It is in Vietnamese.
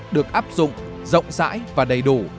được áp dụng rộng rãi và đầy đủ